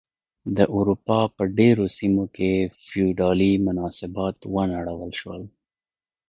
د اروپا په ډېرو سیمو کې فیوډالي مناسبات ونړول شول.